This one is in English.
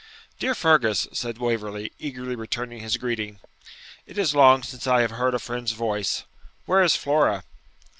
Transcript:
'Dear Fergus!' said Waverley, eagerly returning his greeting. 'It is long since I have heard a friend's voice. Where is Flora?'